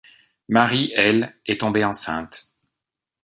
Mary, elle, est tombée enceinte.